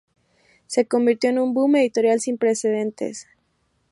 Se convirtió en un boom editorial sin precedentes.